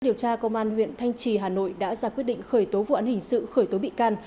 điều tra công an huyện thanh trì hà nội đã ra quyết định khởi tố vụ án hình sự khởi tố bị can